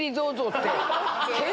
って。